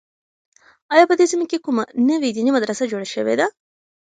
آیا په دې سیمه کې کومه نوې دیني مدرسه جوړه شوې ده؟